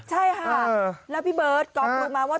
ใช่ค่ะแล้วพี่เบิร์ตกล้องลงมาว่า